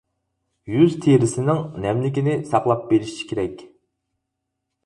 يۈز تېرىسىنىڭ نەملىكىنى ساقلاپ بېرىش كېرەك.